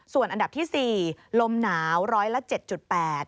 ส่วนอันดับที่สี่ลมหนาวร้อยละ๗๘